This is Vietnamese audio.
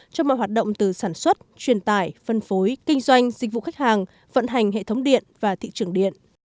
cho mọi hoạt động từ sản xuất truyền tải phân phối kinh doanh dịch vụ khách hàng vận hành hệ thống điện và thị trường điện